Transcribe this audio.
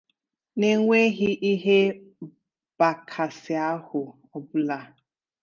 n'enweghị ihe mgbakasịahụ ọbụla.